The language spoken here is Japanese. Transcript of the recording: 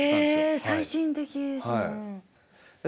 へえ最新的ですね。